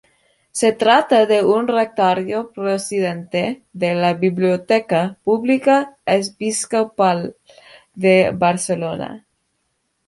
Se trata de un recetario procedente de la Biblioteca Pública Episcopal de Barcelona.